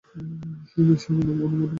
কে অনুমোদন করেছে?